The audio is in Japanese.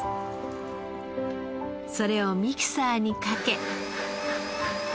それをミキサーにかけ。